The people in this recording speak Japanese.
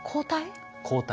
抗体？